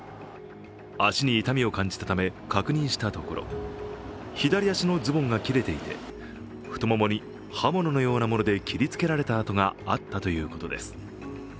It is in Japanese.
足に痛みを感じたため確認したところ、左足のズボンが切れていて、太ももに刃物のようなもので切りつけられた跡があったということです。